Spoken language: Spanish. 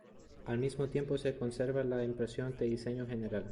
Al mismo tiempo se conserva la impresión de diseño general.